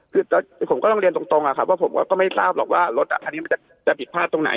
คือผมก็ต้องเรียนตรงอ่ะครับว่าผมก็ไม่ทราบหรอกว่ารถอาจจะผิดพลาดตรงไหน